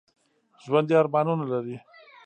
ژوندي ارمانونه لري